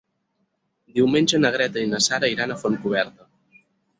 Diumenge na Greta i na Sara iran a Fontcoberta.